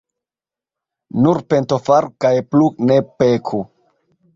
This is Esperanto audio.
Nur pentofaru kaj plu ne peku.